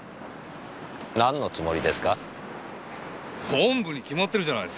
おんぶに決まってるじゃないですか！